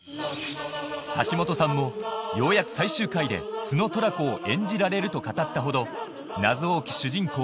橋本さんもようやく最終回で素のトラコを演じられると語ったほど謎多き主人公